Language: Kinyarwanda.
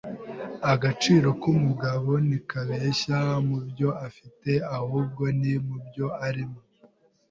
Agaciro k'umugabo ntikabeshya mubyo afite, ahubwo ni mubyo arimo.